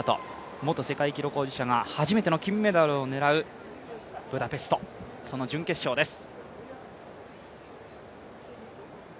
元世界記録保持者が初めての金メダルを狙うブダペスト、その準決勝です。